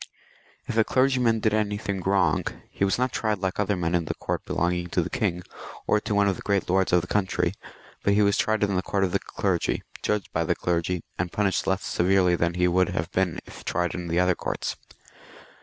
If a clergyman did anything wrong, he was not tried like other men in the court belong ing to the king, or to one of the great lords of the country, but he was tried in the court of the clergy, judged by the clergy, and punished less severely than he would have been if tried in the other courts.